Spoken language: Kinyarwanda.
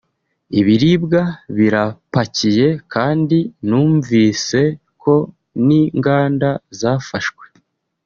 ibiribwa birapakiye kandi numvise ko n’ingamba zafashwe